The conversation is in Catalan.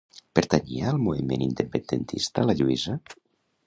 Pertanyia al moviment independentista la Lluïsa?